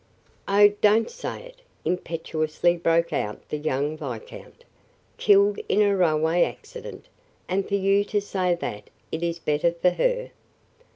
"Oh, don't say it!" impetuously broke out the young viscount. "Killed in a railway accident, and for you to say that it is better for her!"